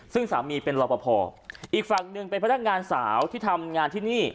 ซึ่งสามีเป็นรอปภอีกฝั่งหนึ่งเป็นพนักงานสาวที่ทำงานที่นี่